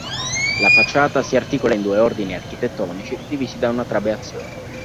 La facciata si articola in due ordini architettonici, divisi da una trabeazione.